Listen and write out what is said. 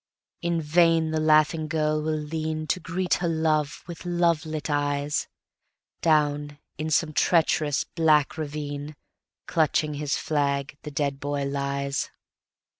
In vain the laughing girl will leanTo greet her love with love lit eyes:Down in some treacherous black ravine, Clutching his flag, the dead boy lies.